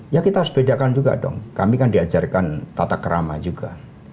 ya kita harus bedakan juga dong kami kan diajarkan tata kerama juga